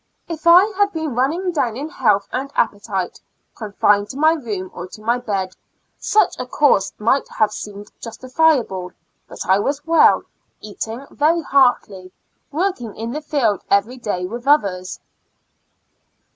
If I had I^'■ A L UNATIO ASTL UM, \ 27 been running down in health and appetite, confined to my room or to my bed, such a course might have seemed justifiable, but I was well, eating very heartily, working in the field every day with others.